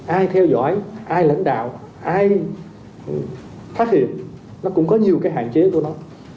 ai theo dõi ai lãnh đạo ai phát hiện nó cũng có nhiều cái hạn chế của nó